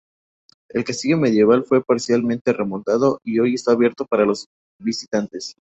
El castillo medieval fue parcialmente remontado y hoy está abierto para los visitantes.